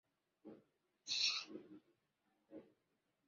amekuwa mashuhuri kwenye mikutano ya viongozi barani afrika